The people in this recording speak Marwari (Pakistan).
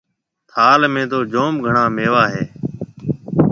ٿاݪ ۾ تو جوم گھڻا ميوا هيَ۔